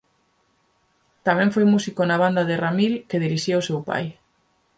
Tamén foi músico na Banda de Ramil que dirixía o seu pai.